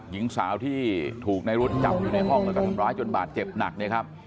หญิงสาวที่ถูกในรุ๊ดจำอยู่ในห้องแล้วก็ทำร้ายจนบาดเจ็บหนักเนี่ยครับ